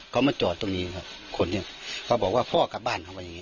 เขามาจอดตรงนี้ครับคนนี้เขาบอกว่าพ่อกลับบ้านเขาว่าอย่างนี้